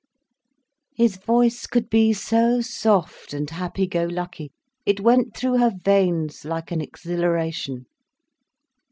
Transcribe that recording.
His voice could be so soft and happy go lucky, it went through her veins like an exhilaration.